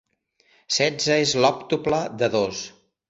Setze és l'òctuple de dos.